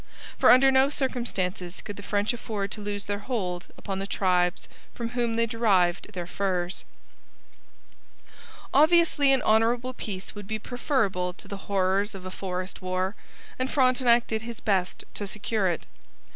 For under no circumstances could the French afford to lose their hold upon the tribes from whom they derived their furs. Obviously an honourable peace would be preferable to the horrors of a forest war, and Frontenac did his best to secure it.